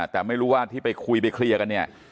แต่ไม่รู้ว่าที่ไปคุยไปเคลียร์กันเนี่ย